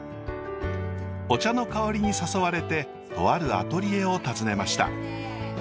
お茶の香りに誘われてとあるアトリエを訪ねました。